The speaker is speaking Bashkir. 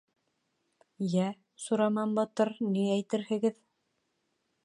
— Йә, Сураман батыр, ни әйтерһегеҙ?